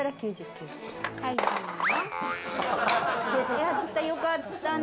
やったよかったね。